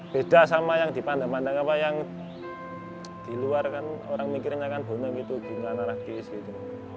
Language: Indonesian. beda sama yang dipandang pandang apa yang di luar kan orang mikirnya kan bonek itu bukan anak anak g s gitu